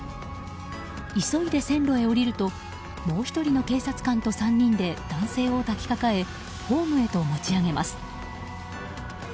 急いで線路へ下りるともう１人の警察官と３人で男性を抱きかかえホームへと持ち上げます。